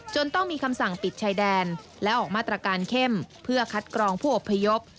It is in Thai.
ต้องมีคำสั่งปิดชายแดนและออกมาตรการเข้มเพื่อคัดกรองผู้อบพยพ